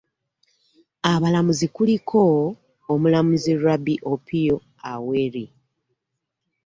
Abalamuzi kuliko; Omulamuzi Ruby Opio Aweri